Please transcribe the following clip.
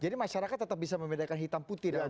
jadi masyarakat tetap bisa membedakan hitam putih dan jelas